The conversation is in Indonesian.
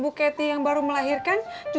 buat tati harus lapor polisi